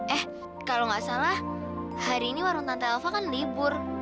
eh kalo gak salah hari ini warung tante elva kan libur